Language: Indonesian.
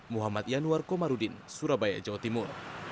muhammad yanuar komarudin surabaya jawa timur